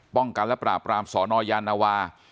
ป้องกันและปราบรามสนยานวา